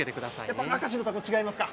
やっぱり明石のタコ、違いますか。